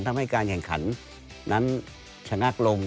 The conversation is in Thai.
ทำให้การแข่งขันนั้นชะงักลง